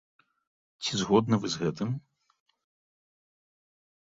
Ці згодны вы з гэтым?